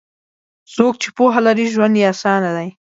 څوک چې پوهه لري، ژوند یې اسانه دی.